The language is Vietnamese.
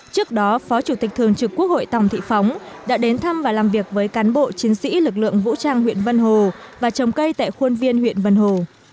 trước đó phó chủ tịch thường trực quốc hội tòng thị phóng đã đến thăm và làm việc với cán bộ chiến sĩ lực lượng vũ trang huyện vân hồ và trồng cây tại khuôn viên huyện vân hồ